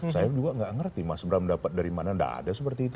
saya juga nggak ngerti mas bram dapat dari mana tidak ada seperti itu